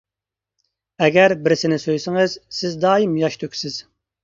ئەگەر بىرسىنى سۆيسىڭىز، سىز دائىم ياش تۆكىسىز.